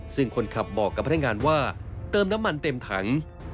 ซึ่งคนขับบอกกับพนักงานว่าเติมน้ำมันเต็มถัง